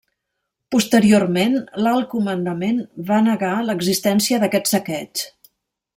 Posteriorment, l'alt comandament va negar l'existència d'aquest saqueig.